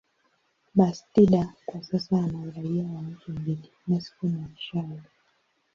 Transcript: Bastida kwa sasa ana uraia wa nchi mbili, Mexico na Chile.